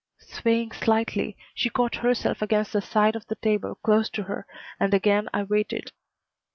Swaying slightly, she caught herself against the side of the table close to her, and again I waited.